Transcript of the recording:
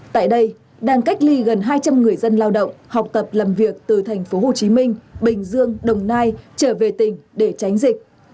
tại đây đang cách ly gần hai trăm linh người dân lao động học tập làm việc từ thành phố hồ chí minh bình dương đồng nai trở về tỉnh để tránh dịch